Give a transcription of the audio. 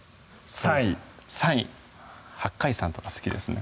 ３位３位「八海山」とか好きですね